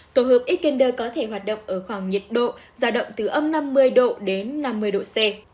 tổ hợp ekender có thể hoạt động ở khoảng nhiệt độ giao động từ âm năm mươi độ đến năm mươi độ c